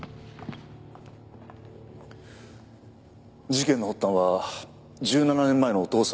事件の発端は１７年前のお父さんの事故死。